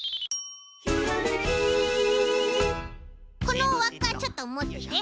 このわっかちょっともってて。